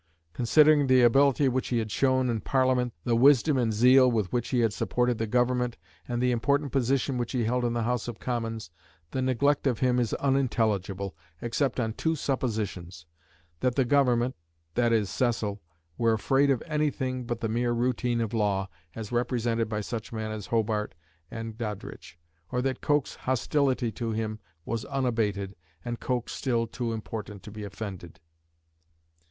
Considering the ability which he had shown in Parliament, the wisdom and zeal with which he had supported the Government, and the important position which he held in the House of Commons, the neglect of him is unintelligible, except on two suppositions: that the Government, that is Cecil, were afraid of anything but the mere routine of law, as represented by such men as Hobart and Doddridge; or that Coke's hostility to him was unabated, and Coke still too important to be offended.